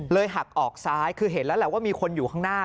หักออกซ้ายคือเห็นแล้วแหละว่ามีคนอยู่ข้างหน้า